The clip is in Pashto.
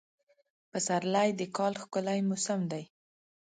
پسرلی د کال ښکلی موسم دی.